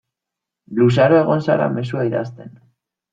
Luzaro egon zara mezua idazten.